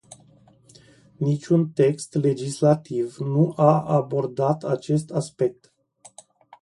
Niciun text legislativ nu a abordat acest aspect.